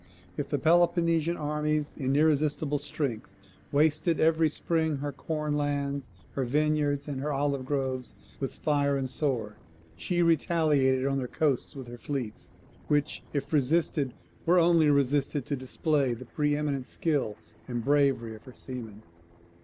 If the Peloponnesian armies in irresistible strength wasted every spring her corn lands, her vineyards, and her olive groves with fire and sword, she retaliated on their coasts with her fleets; which, if resisted, were only resisted to display the pre eminent skill and bravery of her seamen.